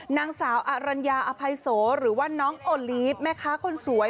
นางสาวอรัญญาอภัยโสหรือว่าน้องโอลีฟแม่ค้าคนสวย